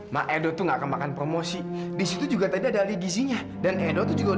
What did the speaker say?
ma edo tuh nggak kemakan promosi disitu juga tadi ada gizinya dan edo tuh juga